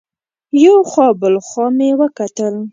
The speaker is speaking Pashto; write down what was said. یو خوا بل خوا مې وکتل.